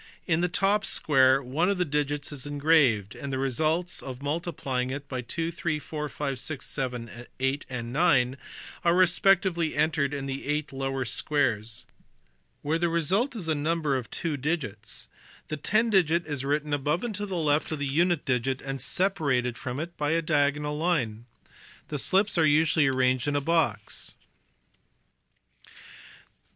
In the top square one of the digits is engraved, and the results of multiplying it by 2, 3, 4, 5, 6, 7, 8, and 9 are respectively entered in the eight lower squares : where the result is a number of two digits, the ten digit is written PROCESSES OF MULTIPLICATION. NAPIER S RODS. 195 above and to the left of the unit digit and separated from it by a diagonal line. The slips are usually arranged in a box.